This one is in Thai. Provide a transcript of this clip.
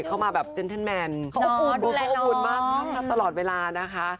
เขาอุ่นมาทับันตลอดเวลานะคะ